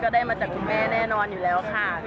ได้มาจากคุณแม่แน่นอนอยู่แล้วค่ะ